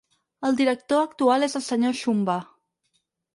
El director actual és el Sr. Shumba.